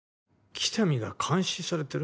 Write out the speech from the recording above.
喜多見が監視されてる？